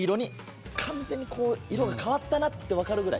完全に色が変わったなって分かるぐらい。